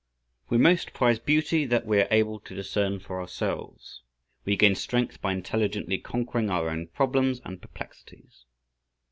We most prize beauty that we are able to discern for ourselves. We gain strength by intelligently conquering our own problems and perplexities.